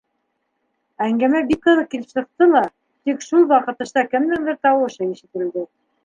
Әңгәмә бик ҡыҙыҡ килеп сыҡты ла, тик шул ваҡыт тышта кемдеңдер тауышы ишетелде.